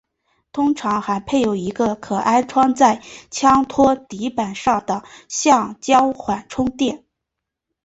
通常还配有一个可安装在枪托底板上的橡胶缓冲垫。